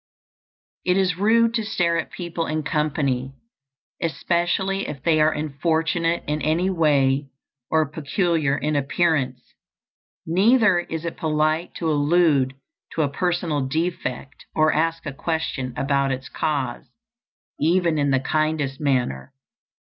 It is rude to stare at people in company, especially if they are unfortunate in any way or peculiar in appearance; neither is it polite to allude to a personal defect or ask a question about its cause, even in the kindest manner.